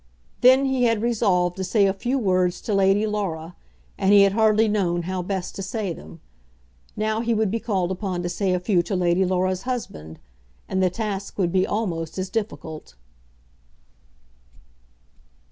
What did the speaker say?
Then he had resolved to say a few words to Lady Laura, and he had hardly known how best to say them. Now he would be called upon to say a few to Lady Laura's husband, and the task would be almost as difficult.